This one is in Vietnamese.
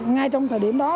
ngay trong thời điểm đó